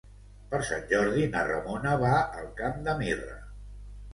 Per Sant Jordi na Ramona va al Camp de Mirra.